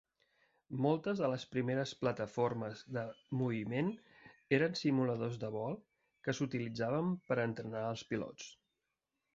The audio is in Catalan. Moltes de les primeres plataformes de moviment eren simuladors de vol que s'utilitzaven per entrenar els pilots.